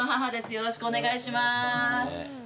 よろしくお願いします。